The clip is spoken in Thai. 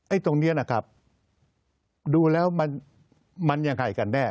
ตรงนี้นะครับดูแล้วมันยังไงกันแน่